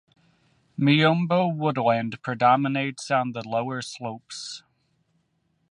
Miombo woodland predominates on the lower slopes.